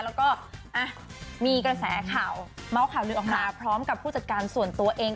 แล้วก็มีกระแสข่าวเมาส์ข่าวลือออกมาพร้อมกับผู้จัดการส่วนตัวเอง